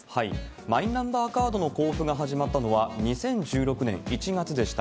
マイナンバーカードの交付が始まったのは、２０１６年１月でした。